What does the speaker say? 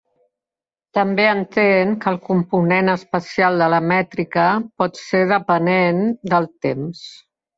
També entén que el component espacial de la mètrica pot ser depenent del temps.